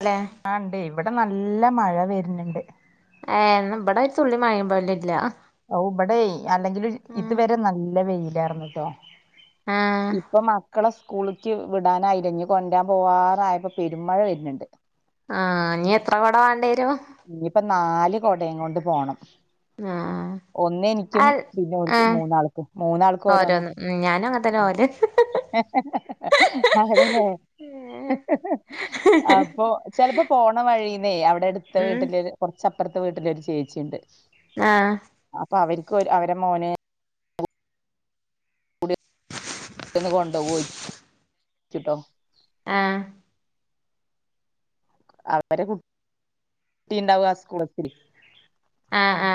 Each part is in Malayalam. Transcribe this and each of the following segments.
അല്ലെ ആ ണ്ടേയ്. ഇവടെ നല്ല മഴ വര്ണണ്ട് ഏ. ന്ന ഇബടെ ഒരു ചുള്ളി മയ പോലുല്ല ഔ. ഇബടെയ് അല്ലങ്കിലും ഇത് വരെ നല്ല വെയിലാർന്നുട്ടോ ആഹ് ഇപ്പൊ മക്കള സ് കൂളിക്ക് വിടാനായീലെ. ഞ്ഞ് കോൺട്രാൻ പോവാറായപ്പോ പെരുമഴ വര്ന്ന്ണ്ട് ആഹ്. ഞ്ഞ് എത്ര കൊട വാണ്ടെരും. ഇയിപ്പൊ നാല് കോടയും കൊണ്ട് പോണം ആഹ ഒന്ന് എനിക്കും പിന്നെ മൂന്നാൾക്ക് മൂന്നാൾക്ക് ഓരോന്ന് ഉം ഞാനും അങ്ങനെ തന്നെ പോവല് [unintelligible] ഹ്ഹ്ഹ് അപ്പൊ ചിലപ്പോ പോണ വഴീന്നേ അവിടെ അടുത്ത് ഇത്തെ ഉം വീട്ടില് കുറച്ചപ്പുറത്തെ വീട്ടില് ഒരു ചേച്ചിയുണ്ട് ആഹ അപ്പൊ അവർക്ക് അവരെ മോന് [unintelligible] ന്ന് കൊണ്ടോ പോയിട്ടോ ആഹ അവരെ കു കുട്ടിണ്ടാവും ആ സ്കൂളത്തിൽ ആ ആ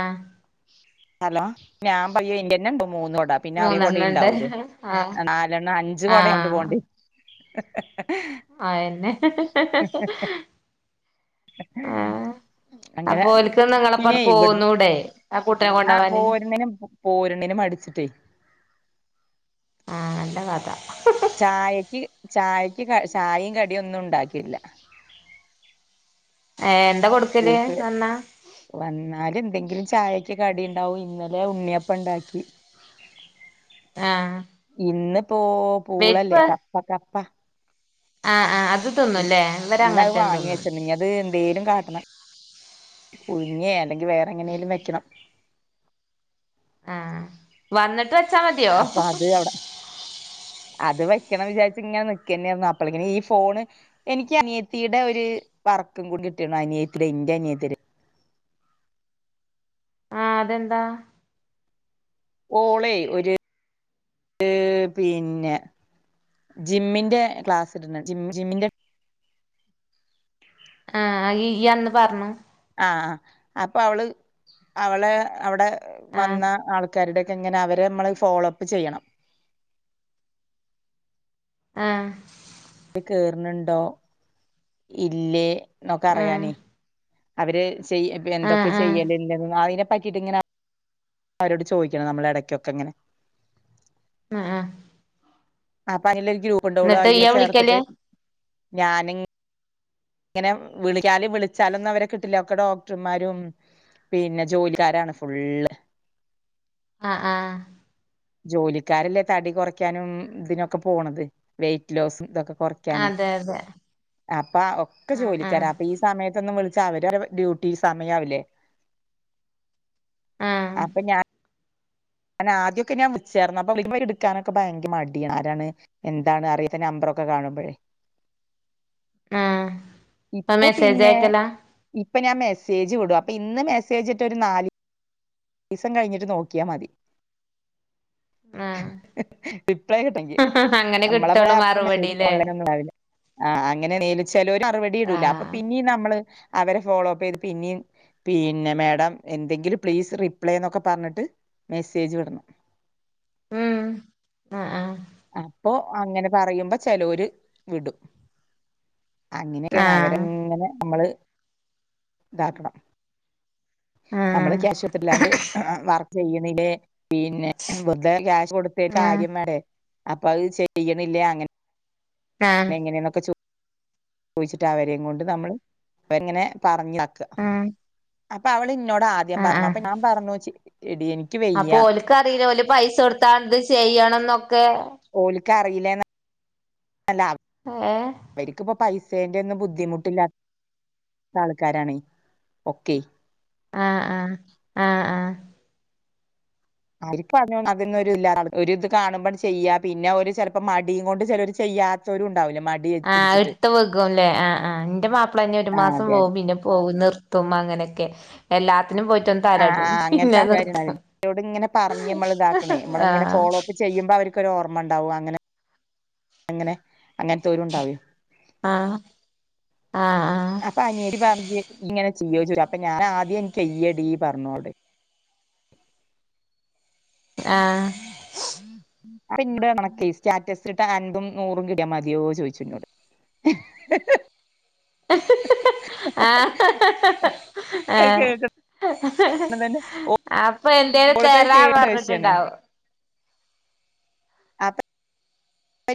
ഹലോ ഞാൻ പറയോ ഇന്റന്നെ ഇണ്ട് മൂന്ന് കൊട പിന്നെ അവരെ കൊടേം മൂന്നെണ്ണം ഉണ്ട് ഉണ്ടാവൂലേ ആഹ് നാലെണ്ണം അഞ്ച് കൊട കൊണ്ട് പോണ്ടേ ആയെന്നെ അങ്ങനെ അപ്പൊ ഓൽക്ക് പിന്നെ നിങ്ങളെപ്പണ്ട് ഇവിടുന്ന് പോന്നൂടെ ആ കൂട്ടിനെ ആ കൊണ്ടോവാന് പോരുന്നിനും പോരണ്ടിനും മടിച്ചിട്ടേ ആഹ നല്ല കഥ ചായക്ക് ചായക്ക് ചായയും കടിയും ഒന്നും ഉണ്ടാക്കില്ല ഏ എന്താ കൊടുക്കല് സ്‌കൂൾട്ട് നന്നാ വന്നാല് എന്തെങ്കിലും ചായ കടി ഉണ്ടാവും ഇന്നലെ ഉണ്ണിയപ്പം ഉണ്ടാക്കി ആഹ ഇന്ന് പോ പൂളല്ലേ കപ്പ കപ്പ ആഹ ആ് അത് തിന്നുംല്ലേ ഇവര് ഇന്നത് അങ്ങനെത്തെന്നും വാങ്ങി തിന്നൂല്ല വെച്ചിണ്ട് ഇനി അത് എന്തേലും കാട്ടണം പുഴുങ്ങേ അല്ലെങ്കിൽ വേറെ എങ്ങനെലും ഉം വെക്കണം ആഹ വന്നിട്ട് വെച്ചാ മതിയോ അപ്പൊ അത് എവിടെ അത് വ ക്കണം വിചാരിച്ചു ഇങ്ങനെ നിക്കെന്നെയരുന്നു അപ്പളങ്ങെ ഈ ഫോണ് എനിക്ക് അനിയത്തിയുടെ ഒരു വർക്കും കൂടി കിട്ട അനിയത്തി ഇന്റ അനിയത്തിടെ ആഹ അതെന്താ ഓളെ ഒരു പിന്നെ ജിമ്മിന്റെ ക്ലാസ് ഇടി ജിം ജിമ്മിന്റെ ആ യ്യി അന്ന് പറഞ്ഞു ആഹ ആ അപ്പൊ അവള് അവളെ അവിടെ ആഹ് വന്ന ആൾ ക്കാരുടെ ഒക്കെ ഇങ്ങനെ അവരെ നമ്മള് ഫോളോ അപ്പ് ചെയ്യണം ആഹ കേറുന്നുണ്ടോ ഇല്ലേ എന്നൊക്കെ ആഹ് അറിയാനേ അവര് ചെയ ആഹ് എന്തൊക്കെ ആഹ് ചെയ്യല അതിനെ റ്റിട്ട് ഇങ്ങനെ അവരോട് ചോദിക്കണം നമ്മളുടെ ഇടക്കൊക്കെ ഇങ്ങനെ ആഹ ആഹ അപ്പൊ അതില ഒരു ഗ്രൂപ്പ ഉണ്ടോള്ളു അതില് ചേർത്തിട്ട് വിളിക്കല് ഞാന ഇങ്ങനെ വിളിച്ചല് വിളിച്ചാലൊന്നും അവരെ കിട്ടില്ല ഒക്കെ ഡോക്ടർമാരും പിന്നെ ജോലിക്കാരാണ് ഫുള്ള് ആ ആ ജോലിക്കാരല്ലേ തടി കുറയ്ക്കാനും ഇതിനൊക്കെ പോണത് വെയിറ്റ് ലോസും ഇതൊക്കെ കുറക്കാനെ അതെ അതെ അപ്പ ഒക്കെ ആഹ് ആഹ് ജോലിക്കാര അപ്പൊ ഈ സമയത്തൊന്നും വിളിച്ചാ അവരെ ഡ്യൂട്ടി സമയവില്ലേ ആഹ് അപ്പൊ ഞാൻ അ ആദ്യൊക്കെ ഞാൻ വിളി ച്ചേർന്ന അ എടുക്കാനൊക്കെ ഭയങ്കര മടിയാണ് ആരാണ് എന്താണ് അറിയ ന ഒക്കെ കാണുമ്പഴേ. ആഹ് അപ്പൊ ഇപ്പൊ മെസ്സേജ് പിന്നെ അയക്കലാ ഇപ്പൊ ഞാൻ മെസ്സേജ് വിടും, അപ്പൊ ഇന്ന് മെസ്സേജിട്ടൊരു നാലീ ദിവസം കഴിഞ്ഞിട്ട് നോക്കിയാ മതി ആഹ് അഭിപ്രായം കിട്ടെങ്കി, അങ്ങനെ നമ്മളെ പോയ കിട്ടുള്ളൂ അപ്പ മെസേജ മറുപടില്ലേ ഫോൺല് ഒന്നും ആവില്ല ആ, അങ്ങനെ നീലിച്ചാല് ഒരു മറുപടി ഇടൂല അപ്പൊ ആഹ് പിന്നീ നമ്മള് അവരെ ഫോളോ അപ്പ് ചെയ്ത് പിന്നിം പിന്നെ മാേഡം എന്തെങ്കിലും പ്ലീസ് റി പ്ലേ എന്നൊക്കെ പറഞ്ഞിട്ട് മെസ്സേജ് വിടണം. ഉം ആ ആ അപ്പൊ അങ്ങനെ പറയുമ്പോ ചെലോര് വിടും. ആഹ് അങ്ങനെയൊക്കെയാണ് ആഹ് അവരെങ്ങനെ നമ്മള് ഇതാക്കണം. നമ്മള് ആഹ് ക്യാശ് [unintelligible] ത്തില്ല അതോണ്ട് വർക്ക് ചെയ്യണില്ലേ പിന്നെ വർതനെ ക്യാഷ് കൊട്ത്ത് ആഹ് [unintelligible] അപ്പൊ അത് ചെയ്യണില്ലേ അങ്ങനെ ആഹ് നെങ്ങനെ ന്നൊക്കെ ചോദിച്ചിട്ട് ആ അവരെയും കൊണ്ട് നമ്മള് [unintelligible] ങ്ങനെ പറഞ്ഞ്. [unintelligible] ആഹ് അപ്പൊ അവള് ഇന്നോട് ആദ്യം ആഹ് പറഞ്ഞു ആഹ് അപ്പൊ ഞാൻ പറഞ്ഞു ച്ചി അപ്പൊ ഓൽക്ക് അറീല്ല ഓ ല് പൈസ കൊടുത്താ ഇത് ചെയ്യണംന്നൊക്കെ. [unintelligible] ഏഹ് അവര്ക്കിപ്പ പൈസ് സേൻ്റെ ഒന്നും ബുദ്ധിമുട്ടില്ലാത്ത ആൾക്കാരണെ ഒക്കേ. ആ ആ ആ ആ [unintelligible] ഇല്ലാ ഒരു ഇത് കാണുമ്പാണ്ട് ചെയ്യാ, പിന്നെ ഒരു ചിലപ്പോ മടിയും കൊണ്ട് ചെലോര് ചെയ് യ്യാത്തൊരു ആ അതിട്ത്ത് വിഗും ലേ. ആ ആ എന്റെ മാപ്പിളന്നെ ഒരു ആ മാസം അതെ അതെ പോവും പിന്നെ പോവും നിർത്തും. അങ്ങനെ ക്കെ. എല്ലാ ആ ആ അങ്ങൻത്തെ ആൾകാര് ണ്ടാവൽ ണ്ട്. ഇന്നോട് ഇങ്ങനെ പറഞ്ഞ് നമ്മൾ ഇതാക്കണേ നമ്മളങ്ങനെ ആഹ് ഫോളോ അപ്പ് ചെയ്യുമ്പ വ ർക്കൊരോർമ്മ ണ്ടാവും അങ്ങനെ. അങ്ങനെ അങ്ങൻത്തോരും ഉണ്ടാവേ. ആഹ് ആഹ് അപ്പ അനിയത്തി പറഞ്ഞ് ഇങ്ങനെ ചെയ്യോ യ്ച്ച് അപ്പൊ ഞാൻ ആദ്യം ഇൻക്കെയ്യടി പറഞ്ഞോളോട്. ആ അപ്പം ഇന്നോട് അണക്കേ സ്റ്റാറ്റസ് ഇട്ട് അൻമ്പും നൂറും കിട്ട്യാ മതിയോ ചോയിച്ചു ഇന്നോട്. [unintelligible] ആ ആ അത് കേക്ക അപ്പൊ എന്റേത്‌ തെരാ പറഞ്ഞിട്ടുണ്ടാവും. അപ്പ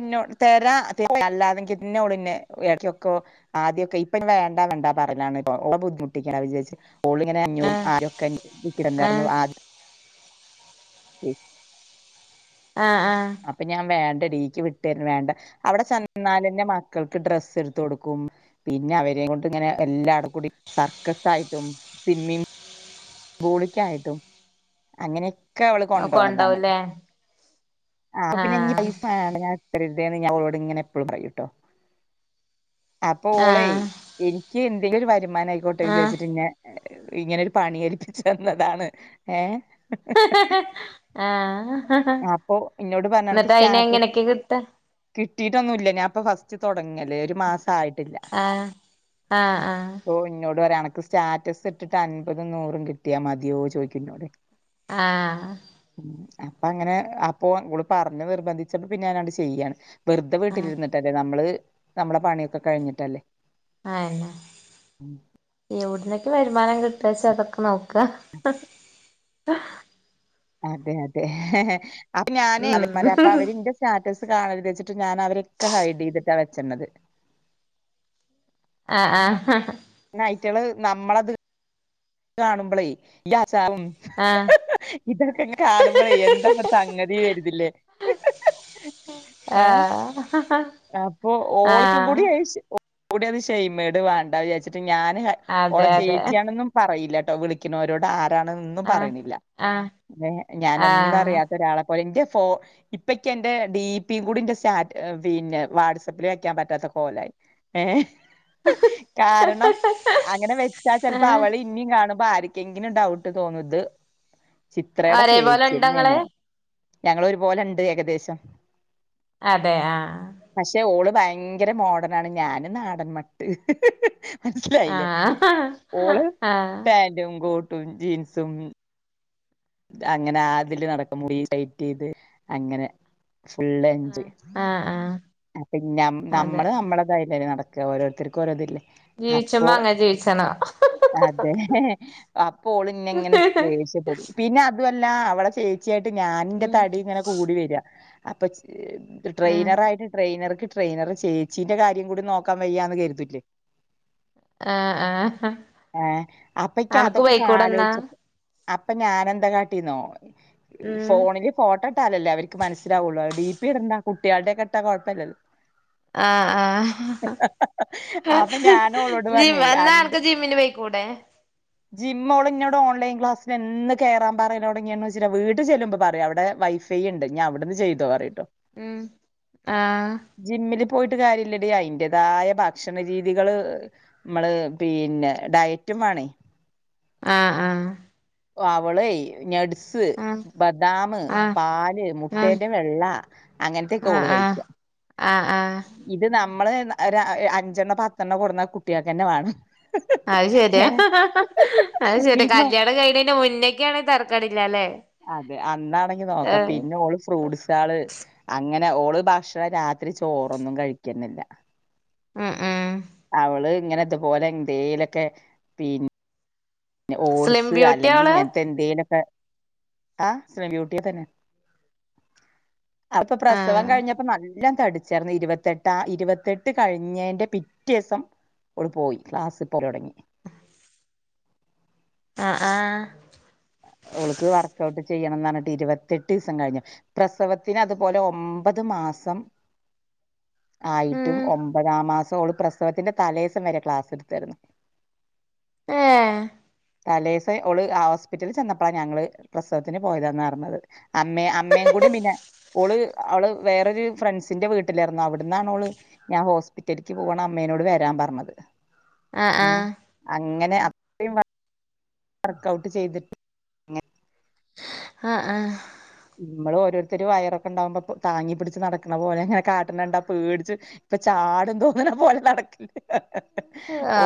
ന്നോ തരാ ത അല്ലാതെങ്കിന്നോള്ന്നെ [unintelligible] ആദ്യൊക്കെ ഇപ്പ ന്നെ വേണ്ട വണ്ടാ പറയലാണ് പ്പൊ. ഓളെ ബുദ്ധിമുട്ടിക്ക്യാ വിജാരിച്ച്. ഓള് ഇങ്ങനെ അഞ്ഞൂറും, ആഹ് ആയിരൊക്കെ ആഹ് [unintelligible] [unintelligible] ആഹ് ആഹ് അപ്പൊ ഞാൻ വേ ണ്ടടീ ഇയ്ക്ക് വിട്ട ര്ന വേണ്ട. അവിടെ ചെന്നാലന്നെ മക്കൾക്ക് ഡ്രസ്സ് ഇട്ത്ത് കൊടുക്കും. പിന്നെ അവരെം കൊണ്ട് ഇങ്ങനെ എല്ലാട് കൂടി സർക്കസ് ആയിട്ടും സിമ്മിങ് പൂളിക്കായിട്ടും അങ്ങനെ ക്കവള് കൊണ്ടോണതാണ്. കൊണ്ടോവുല്ലേ അപ്പ പിന്നെ ഇഞ് ആഹ് പൈസ വേണ്ട ഞാന് തരര്തേ ന്ന് ഞാനോളോട് ഇങ്ങനെ എപ്പളും പറയൂട്ടോ. അപ്പൊ ഓളെ ആഹ് ഇൻക്ക് എന്തെലും ഒരു വരുമാനം ആയിക്കോട്ടെ ആഹ് വിചാരിച്ചിട്ട് ഇങ്ങ ഇങ്ങനെരു പണി ഏൽപ്പിച്ച് തന്നതാണ്. ഏഹ് ആഹ് അപ്പൊ ഇന്നോട് പറഞ്ഞ് അണക്ക് എന്നിട്ട് അയിനെ സ്റ്റാറ്റസ് കി എങ്ങനെയൊക്കെ കിട്ടാ കിട്ടീട്ടൊന്നു ഇല്ല ഞാൻ ഇപ്പൊ ഫസ്റ്റ് തൊടങ്ങല്ലേ. ഒരു മാസ ആയിട്ടില്ല ആഹ് അ ആഹ് ആഹ് ഓ ഇന്നോട് പറയ് അനക് ക്ക് സ്റ്റാറ്റസ് ഇട്ടിട്ട് അൻപതും നൂറും കിട്ടിയാ മതിയോ ചോയ്ക്ക് ഇന്നോട് ആ ഉം അപ്പൊ അങ്ങനെ അപ്പൊ ഓൾ പറഞ് നിർബന്ധിച്ചപ്പോ പിന്നെ ഞാനാണ്ട് ചെയ്യാണ്. വെറുതെ ആഹ് വീട്ടിലിരുന്നിട്ടല്ലേ നമ്മള് നമ്മളെ പണിയൊക്കെ കഴിഞ്ഞിട്ടല്ലേ. അഅന്നെ. യെവിട്ന്നൊക്കെ വരുമാനം കിട്ടാച്ച അതൊക്കെ നോക്ക് ഹ് ഹ് അതെ അതെ ഹെ ഹെ അപ്പ ഞാന് ഉം [unintelligible] അപ്പ അവരിന്റെ സ്റ്റാറ്റസ് ഇപ്പ കാണര്ത് വെച്ചിട്ട് ഞാന് അവരെ ക്കെ ഹൈഡ് യ്തിട്ടാ വെച്ചണത്. ആ ആ ഹ ഹാ അയ്റ്റള് നമ്മളത് കാണുമ്പളേ ആഹ് ഇതൊക്കെ കാണുമ്പളെ എന്താപ്പ സംഗതി കര്ത് ല്ലേ ഹ് ഹ് ഹ് ആഹ അപ്പൊ ഓൾക്കും കൂടി കൂന്ന് ഷെയ്മേട് വേണ്ട വിചാച്ചിട്ട് ഞാന് ഓള അതെ അതെ ചേച്ചിയാണന്നും പറയില്ലട്ടോ വിളിക്കുന്നോരോട് ആ [unintelligible] ആഹ് പറയുന്നില്ല ആഹ് ഞാന ഒന്നും ആഹ് അറിയത്ത ഒരാളെ പോലെ ഇ,,, പ്പക്ക എന്റെ ഡിപും കൂടിന്റെ സാറ്റ് പിന്നെ വാട്സആപ്പിൽ വയ്ക്കാൻ പറ്റാത്ത കോലായി ഏ കാരണം അങ്ങനെ വെച്ചാ ചിലപ്പോ ഏഹ് അവള് ഇനിയും കാണുമ്പോ ആ [unintelligible] ഡൗട്ട് തോന്നത് ചിത്രയുടെ ഒരേപോലെ ചേച്ചി ഇണ്ടോ ഇങ്ങള് തന്നെയാണോ ഞങ്ങൾ ഒരുപോലെ ഉണ്ട് ഏകദേശം അതെ ആ പക്ഷെ ഓള് ഭയങ്കര മോഡേൺ ആണ് ഞാന് നാടന്മട്ട് മനസിലായില്ലേ ആഹ് ഓള് ആഹ് പാന്റും കോട്ടും ജീൻസും അങ്ങനെ ആതില് നടക്കുമ്പോ ഫൈറ്റ് ചെയ്ത് അങ്ങനെ ഫുള്ഞ്ച് ആഹ് ആഹ് പിന്നെ അതെ നമ്മള് നമ്മളതായിട്ടനെ നട ഓരോത്തർക്കുംഓരോ ഇല്ല ജീവിച്ച മാ അങ്ങ ജീവിച്ചണോ അതെ അപ്പോൾ ഇന്ന എങ്ങനെ ദേഷപ്പെ പിന്നെ അതുമല്ല അവിടെ ചേച്ചിയായിട്ട് ഞാനിന്റെ ഉം തടി ഇങ്ങനെ കൂടി വെരാ അപ്പൊ ആഹ് ട്രെയിനറായിയിട്ട്ട്രെയിനർക്ക് ട്രെയിനർ ചേച്ചീന്റെ കാര്യം കൂടി നോക്കാൻ വയ്യാന്ന് കരുതിട്ടേ ആഹ് ആഹ് ഹ അപ്പക്ക് അനക്ക് അതൊക്കെ കാണ പോയിക്കൂടെന്നാ ആലോചിച്ചപ്പ അപ്പൊ ഞാനെന്താ കാാട്ടീന്നോ ഉം ഫോണില് ഫോട്ടോ ഇട്ടാലല്ലേ അവർക്ക് മനസ്സിലാവുള്ളൂ ടീ [unintelligible] കുട്ടികളുടെ ഒക്കെ ഇട്ടാ കുഴപ്പമില്ലല്ലോ ആഹ ആഹ അപ്പൊ ഞാനോളോട് ജി പറഞ്ഞേ എന്ന അന്റെ ആക്ക് ജിമ്മിന് പോയിക്കൂടെ ജിമ്മോള് ഇന്നോട് ഓൺലൈൻ ക്ലാസ്സ് ഇത് എന്ന് കേറാൻ പറയൽ തൊടങ്ങിന്നച്ചിട്ടാ വീട്ടിൽ ചെല്ലുബം പറയും അവിടെ വൈഫൈ ഉണ്ട് അവിടുന്ന്ചൈതോ പറയും ഉ ആഹ ജിമ്മില് പോയിട്ട് കാര്യില്ലട അതിന്റേതായ ഭക്ഷണ രീതികള് നമ്മള് പിന്നെ ഡയറ്റ് റ്റമാണ ആഹ ആഹ അവളെ ഞട് സ് ആഹ് ബദാാം ആഹ് പാല് ആഹ് മുട്ടേന്റെ വെള്ള അങ്ങനത്തൊക്കെ ഓള് കഴിക്കുക ആഹ ആഹ നമ്മള് അഞ്ചെണ്ണോ പത്തെണ്ണ കൊട് ന്നാൽ കുട്ടികൾക്കെ തന്നെ വേണം അത് ശെരിയാ ഏ അത് ശെരിയാ പിന്നോ കല്യാണം കഴിഞ്ഞന്റെ മുന്നക്കാണ തറക്കാടില്ലല്ലെ അതെ അന്നാണെങ്കി നോക്കാം പിന്നെ ഓള് ഫ്രൂട്ട്സ് ആള് ഇങ്ങനെ ഓള് ഭക്ഷണം രാത്രി ചോറൊന്നും കഴിക്കുന്നില്ല ഉം ഉം ഇങ്ങനെതപോലെ എന്തേയിലൊക്കെ പിന്നെ സ്ലിം ഓട്സ് ബ്യൂട്ടിയാ അല്ലെങ്കിൽ അവള് ഇങ്ങനത്തെ എന്തേലൊക്കെ? ആഹ് [unintelligible] ബൂട്ടിയി തന്നെ അപ്പം പ്രസവം ആഹ് കഴിഞ്ഞപ്പം നല്ല ല്ലാം തടിച്ചേർന്ന് ഇരുപത്തെട്ട് ആ ഇരുപത്തെട്ട് കഴിഞ്ഞേന്റെ പിറ്റേസം ഓള് പോയി ക്ലാസ് പോലൊട ങ്ങി. ആ ആഹ [inaudible] ഓൾക്ക് വർക്കഔട്ട് ചെയ്യണംന് പറഞ്ഞിട്ട് ഇരുപത്തെട്ട് ദിവസം കഴിഞ്ഞ്. പ്രസവത്തിന് അതുപോലെ ഒമ്പത് മാസ മസം ആയിട്ടും. ഉം ഒമ്പതാം മാസ ഒള് പ്രസവത്തിന്റെ തലേസം വരെ ഓള് ക്ലാസ് എടുത്തായിരുന്നു. ഹേ തലേസം ഒള് ആ റ്റൽ ചെന്നപ്പോഴാണ് ഞങ്ങള് പ്രസവത്തിന് പോയതാന്ന് അറഞ്ഞത്. അമ്മ അമ്മേയും കൂടി പിന്നെ ഓള് അവള് വേറൊരു ഫ്രണ്ട്സിന്റെ വീട്ടിലായിരുന്നു. അവിടന്നാണ് അവള് ഞാൻ ഹോസ്പിറ്റൽക്ക് പോകാണ് അമ്മേനോട് വരാൻ പറഞ്ഞത് ആ ആ ഇങ്ങനെ അ വർക്കൗട്ട് ചെയ്തിട്ട് [unintelligible] ആ ആഹ നമ്മള് ഓരോരുത്തര് വയറൊക്കെ ഉണ്ടാവുമ്പോ താങ്ങി പിടിച്ച് നടക്കണ പോലെ അങ്ങനെ കാട്ട്ണ കണ്ടാ പേടിച്ച്. ഇപ്പൊ ചാടും തോന്നുന്ന പോലെ നടക്കില്ലേ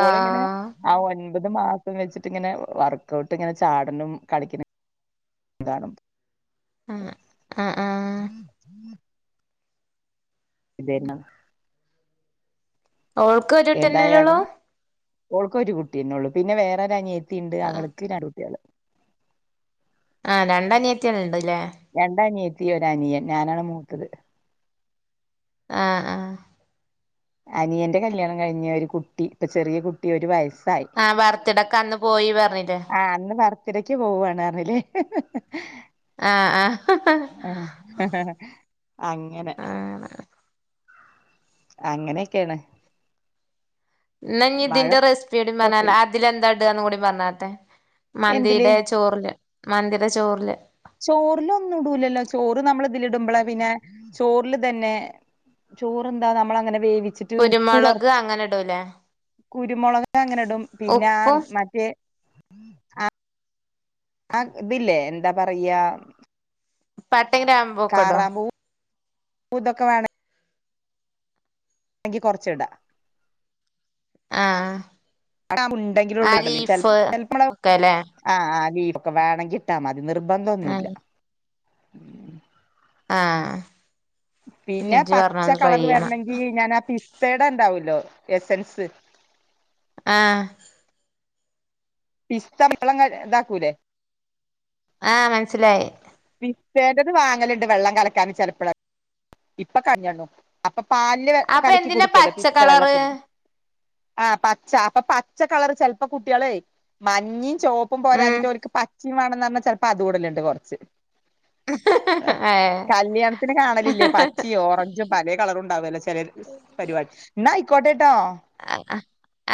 ഓളിങ്ങനെ ആ ഒൻ ഇപത് മാസം വെച്ചിട്ട് ഇങ്ങനെ വർക്കൗട്ട് ഇങ്ങനെ ചാട്ണും കളിക്ക്ണും. ന്താണും ആഹ് ആഹ് ആഹ് [inaudible] ഇതേന്ന് ഓൾക്ക് ഒരുട്ടിന്നല്ലെള്ളൂ? എന്തായാലും ഓൾക്ക് ഒരു കുട്ടിന്നെ ഒള്ളൂ. പിന്നെ വേറെ ഒരനിയത്തിണ്ട് ആഹ് അവൾക്ക് രണ്ട് കുട്ടികള്. ആ രണ്ടനിയത്തിയള് ഇണ്ട്ല്ലേ? രണ്ടനിയത്തി ഒര് അനിയൻ ഞാനാണ് മൂത്തത്. ആ ആഹ് അനിയന്റെ കല്യാണം കഴിഞ്ഞ് ഒരു കുട്ടി. ഇപ്പൊ ചെറിയ കുട്ടി ഒരു വയസ്സ്. ആഹ് [unintelligible] ബർത്ത്ഡേക്ക് അന്ന് പോയി പറഞ്ഞില്ലേ ആ അന്ന് ബർത്തിടക്ക് പോവാണ് പഞ്ഞിലെ. ആ ആഹ് അങ്ങെനെ ആഹ് അങ്ങനെയൊക്കെണ്. ഇന്നാഞ് ഇതിൻ്റെ റെസിപ്പിയൂടി പറഞ്ഞാട്ടെ ആതിലെന്താ ഇടാന്ന് കൂടി പറഞ്ഞാട്ടെ? എന്തില് മന്തിയുടെ ചോറില് മന്തിയുടെ ചോറില്. ചോറിലൊന്നും ഇടൂലല്ലോ ചോറ് നമ്മൾ ഇതില് ഇടുമ്പള് പിന്നെ ചോറില് തന്നെ. ചോറെന്താ നമ്മള് അങ്ങനെ വേവിച്ചിട്ട് ഉപ്പ് തൊ കുരുമുളക് അങ്ങനെ ഇടൂലേ കുരുമുളക് അങ്ങനെ ഇടും പിന്നെ ആ ഉപ്പും മറ്റേ ആ ആ ഇതില്ലേ എന്താ പറയാ പട്ടേം ഗ്രാമ്പൊക്കെ ഇടോ? [unintelligible] വേണം എങ്കി കൊറച്ച് ഇടാ. ആഹ് ആ ഉണ്ടെങ്കിലൊള്ളു ലീഫ് ഇടല് ഒക്കെല്ലേ ആ ആ [unintelligible] വേണമെങ്കിൽ ഇട്ടാ മതി നിർബന്ധൊന്നൂല്ല. ആഹ് ആഹ് പിന്നെ ഇജ്ജ് പച്ച പറഞ്ഞത് ട്രൈ കളർ ചെയ്യണം വരണെങ്കീ ഞൻ ആ പസ് [unintelligible] ടാണ്ടാവല്ലോ എസൊൻസ്. ആഹ പിസ്ത വള്ളം ഇതാക്കൂലേ? ആ മനസ്സിലായി. പോകററ് വ വാങ്ങൽ ഉണ്ട് വെള്ളം കലക്കാൻ ഒക്കെ [unintelligible] പാലില് അപ്പൊ കലക്കി എന്തിനാ കുടുക്കല്ലോ പി പച്ച സ്ത കളറ് വെള്ളത്തിന്. ആ് പച്ച അപ്പൊ പച്ച കളറ് ചെലപ്പോ കുട്ടിയാളെയ് മഞ്ഞിം. ചുവപ്പും ഉം പോരാഞ്ഞിട്ട് ഓൽക്ക് പച്ചിം വാണന്ന് പറഞ്ഞാൽ ചെലപ്പോ അതൂടല്ണ്ട് കൊറച്ച്. ഏഹ് കല്യാണത്തിന് കാണലില്ലേ പച്ചിം ഓറഞ്ചും പലേ കളറുണ്ടാവല്ലോ ചെ [unintelligible] ന്നാ അയി ടോ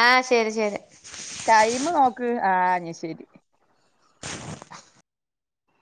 ആഹ് ശരി ശരി ടൈമ് നോക്ക് ആ ശരി [unintelligible]